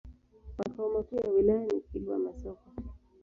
Makao makuu ya wilaya ni Kilwa Masoko.